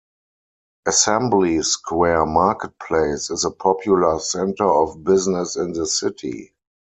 Assembly Square Marketplace is a popular center of business in the city.